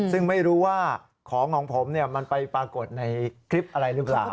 ซึ่งไม่รู้ว่าของของผมมันไปปรากฏในคลิปอะไรหรือเปล่า